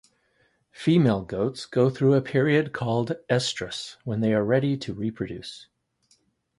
Female goats go through a period called estrus, when they are ready to reproduce.